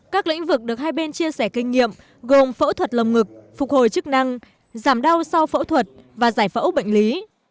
các lĩnh vực được hai bên chia sẻ kinh nghiệm gồm phẫu thuật lồng ngực phục hồi chức năng giảm đau sau phẫu thuật và giải phẫu bệnh lý